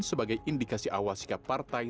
sebagai indikasi awal sikap partai